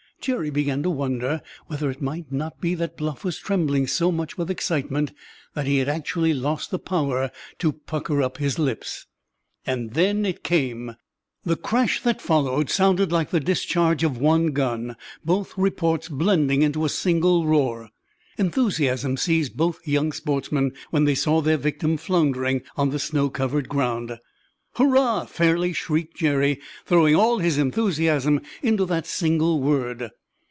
Jerry began to wonder whether it might not be that Bluff was trembling so much with excitement that he had actually lost the power to pucker up his lips. Then it came. The crash that followed sounded like the discharge of one gun, both reports blending into a single roar. Enthusiasm seized both young sportsmen when they saw their victim floundering on the snow covered ground. "Hurrah!" fairly shrieked Jerry, throwing all his enthusiasm into that single word.